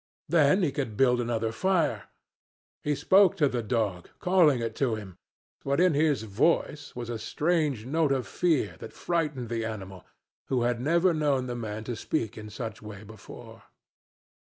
Then he could build another fire. He spoke to the dog, calling it to him; but in his voice was a strange note of fear that frightened the animal, who had never known the man to speak in such way before.